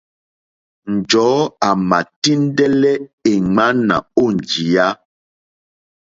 Njɔ̀ɔ́ àmà tíndɛ́lɛ́ èŋwánà ó njìyá.